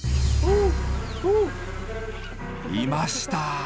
いました。